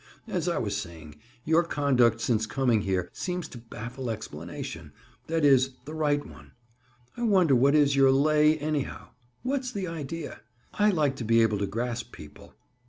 "As I was saying, your conduct since coming here, seems to baffle explanation—that is, the right one. I wonder what is your 'lay,' anyhow? What's the idea? I like to be able to grasp people."